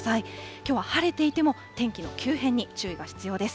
きょうは晴れていても天気の急変に注意が必要です。